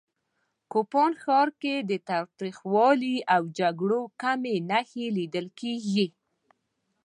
کوپان ښار کې د تاوتریخوالي او جګړو کمې نښې لیدل کېږي